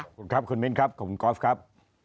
ขอบคุณครับคุณมิ้นครับคุณกอล์ฟครับ